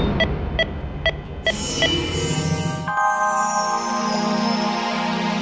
dokter tolong lakukan sesuatu untuk istri saya